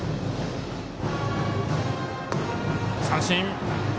三振。